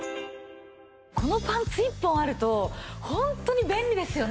このパンツ１本あるとホントに便利ですよね。